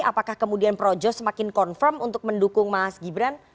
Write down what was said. apakah kemudian projo semakin confirm untuk mendukung mas gibran